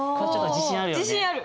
自信ある。